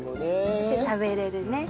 一応食べれるね。